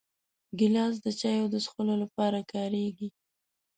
ګیلاس د چایو د څښلو لپاره کارېږي.